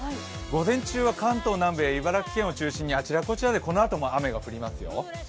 午前中は関東南部や茨城県を中心にあちらこちらでこのあとも雨が降りますよ。